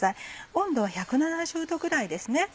温度は１７０℃ぐらいですね。